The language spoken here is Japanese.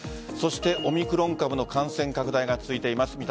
そしてオミクロン株の感染拡大が続いています。